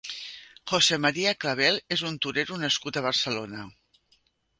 José María Clavel és un torero nascut a Barcelona.